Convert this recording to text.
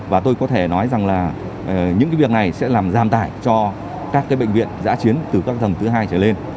và tôi có thể nói rằng là những việc này sẽ làm giảm tải cho các bệnh viện giã chiến từ các tầng thứ hai trở lên